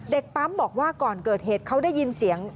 ปั๊มบอกว่าก่อนเกิดเหตุเขาได้ยินเสียง